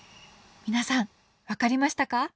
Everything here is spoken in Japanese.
皆さん分かりましたか？